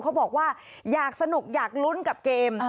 เขาบอกว่าอยากสนุกอยากลุ้นกับเกม